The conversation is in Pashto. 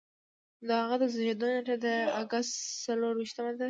د هغه د زیږیدو نیټه د اګست څلور ویشتمه ده.